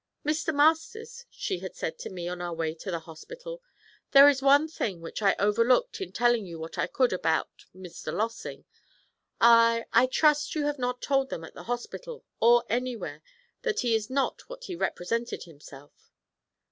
'Mr. Masters,' she had said to me on our way to the hospital, 'there is one thing which I overlooked in telling you what I could about Mr. Lossing. I I trust you have not told them at the hospital, or anywhere, that he is not what he has represented himself.'